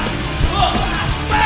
gak ada masalah